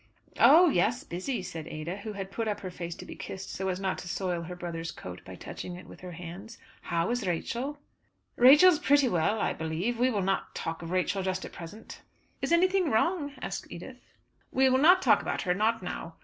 "Oh, yes, busy!" said Ada, who had put up her face to be kissed so as not to soil her brother's coat by touching it with her hands. "How is Rachel?" "Rachel is pretty well, I believe. We will not talk of Rachel just at present." "Is anything wrong," asked Edith. "We will not talk about her, not now.